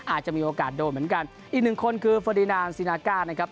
อาจจะมีโอกาสโดนเหมือนกันอีกหนึ่งคนคือเฟอร์ดินานซีนาก้านะครับ